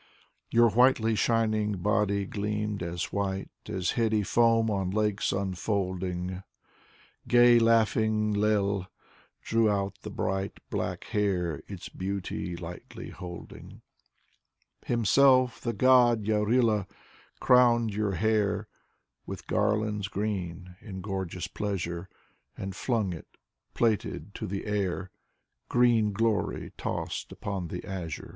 Your whitely shining body gleamed as white As heady foam on lakes unfolding, Gay laughing Lei ^ drew out the bright Black hair, its beauty lightly holding. Himself, the god Yarila ^ crowned your hair With garlands green in gorgeous pleasure, And flung it, plaited, to the air: Green glory tossed upon the azure.